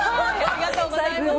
ありがとうございます。